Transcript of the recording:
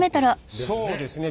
そうですね。